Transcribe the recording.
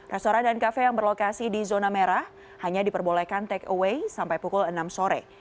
restoran dan kafe yang berlokasi di zona merah hanya diperbolehkan take away sampai pukul enam sore